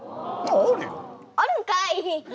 あるんかい！